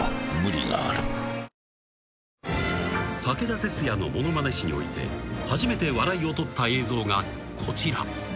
［武田鉄矢のものまね史において初めて笑いを取った映像がこちら］